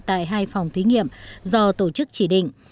tại hai phòng thí nghiệm do tổ chức chỉ định